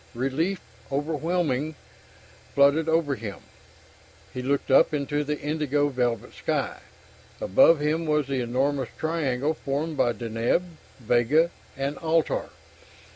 Relief, overwhelming, flooded over him. He looked up into the indigo velvet sky. Above him was the enormous triangle formed by Deneb, Vega, and Altair.